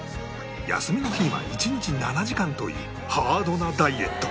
休みの日には１日７時間というハードなダイエット